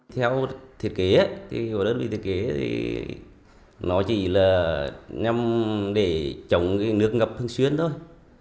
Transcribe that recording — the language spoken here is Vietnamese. theo thiết kế đơn vị thiết kế thì nó chỉ là nhằm để chống nước ngập thương xuyên thôi